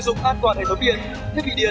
sử dụng an toàn hệ thống điện thiết bị điện